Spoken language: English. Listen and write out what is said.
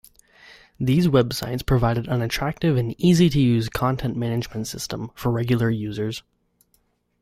These websites provided an attractive and easy-to-use content management system for regular users.